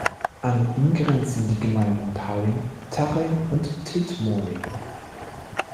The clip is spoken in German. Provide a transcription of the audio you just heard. An ihn Grenzen die Gemeinden Palling, Taching und Tittmoning.